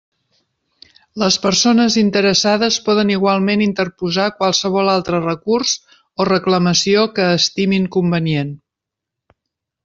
Les persones interessades poden igualment interposar qualsevol altre recurs o reclamació que estimin convenient.